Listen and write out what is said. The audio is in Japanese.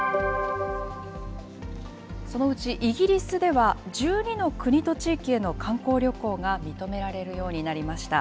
そのうちイギリスでは、１２の国と地域への観光旅行が認められるようになりました。